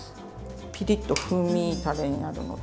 ピリッと風味たれになるので。